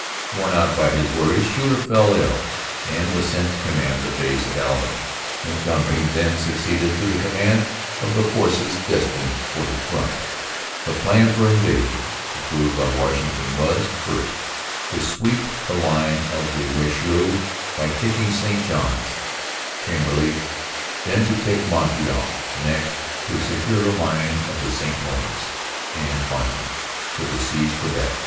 Worn out by his worries, Schuyler fell ill and was sent to command the base at Albany. Montgomery then succeeded to the command of the force destined for the front. The plan of invasion approved by Washington was, first, to sweep the line of the Richelieu by taking St Johns and Chambly, then to take Montreal, next to secure the line of the St Lawrence, and finally to besiege Quebec.